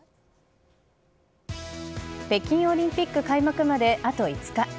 北京オリンピック開幕まであと５日。